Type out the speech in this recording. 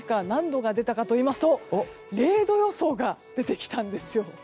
何度が出たかといいますと０度予想が出たんです。